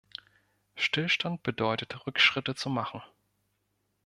Stillstand bedeutet Rückschritte zu machen.